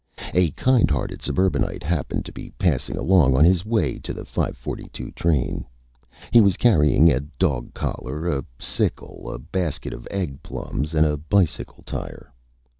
A kind hearted Suburbanite happened to be passing along on his Way to the 5:42 Train. He was carrying a Dog Collar, a Sickle, a Basket of Egg Plums and a Bicycle Tire.